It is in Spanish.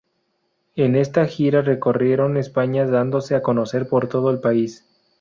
En esta gira recorrieron España dándose a conocer por todo el país.